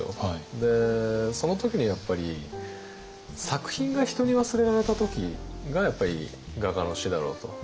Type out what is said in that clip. その時にやっぱり作品が人に忘れられた時が画家の死だろうと。